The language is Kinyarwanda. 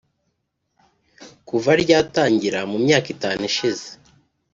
kuva ryatangira mu myaka itanu ishize